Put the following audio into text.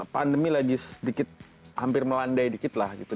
pandemi lagi sedikit hampir melandai dikit lah gitu